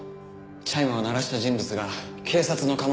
チャイムを鳴らした人物が警察の可能性もあります。